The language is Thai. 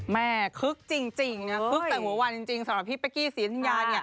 คึกจริงนะคึกแต่หัววันจริงสำหรับพี่เป๊กกี้ศรีอยุธยา